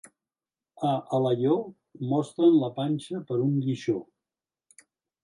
A Alaior, mostren la panxa per un guixó.